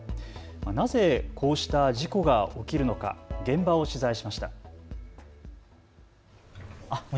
なぜ、こうした事故が起きるのか、現場を取材しました。